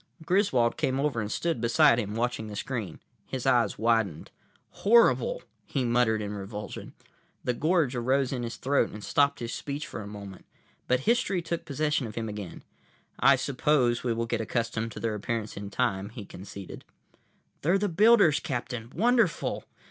Griswold came over and stood beside him, watching the screen. His eyes widened. "Horrible," he muttered in revulsion. The gorge arose in his throat and stopped his speech for a moment. But history took possession of him again. "I suppose we will get accustomed to their appearance in time," he conceded. "They're the builders, Captain. Wonderful!"